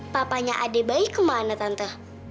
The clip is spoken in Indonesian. papanya adik bayi kemana tante